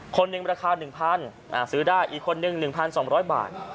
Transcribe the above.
คนหนึ่งราคา๑๐๐๐ซื้อได้อีกคนนึง๑๒๐๐บาท